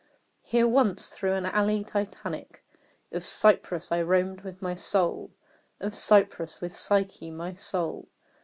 Here once, through an alley Titanic. Of cypress, I roamed with my Soul Of cypress, with Psyche, my Soul.